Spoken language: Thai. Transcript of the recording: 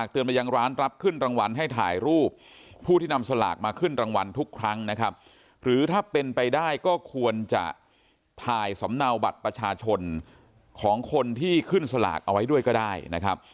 ถ่ายสำเนาบัตรประชาชนของคนที่ขึ้นสลากเอาไว้ด้วยก็ได้นะครับ